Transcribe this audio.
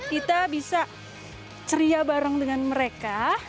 kita bisa ceria bareng dengan mereka